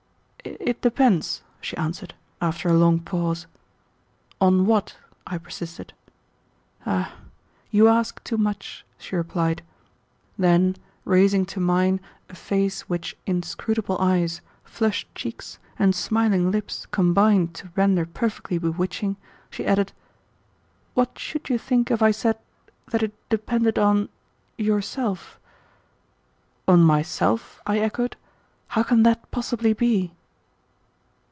"It depends," she answered, after a long pause. "On what?" I persisted. "Ah, you ask too much," she replied. Then, raising to mine a face which inscrutable eyes, flushed cheeks, and smiling lips combined to render perfectly bewitching, she added, "What should you think if I said that it depended on yourself?" "On myself?" I echoed. "How can that possibly be?"